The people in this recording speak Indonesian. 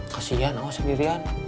kasian awas sendirian